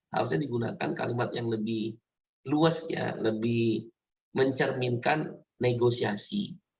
harusnya digunakan kalimat yang lebih luas ya lebih mencerminkan negosiasi